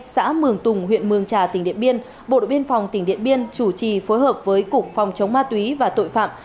xã mường tùng huyện mường trà tỉnh điện biên bộ đội biên phòng tỉnh điện biên chủ trì phối hợp với cục phòng chống ma túy và tội phạm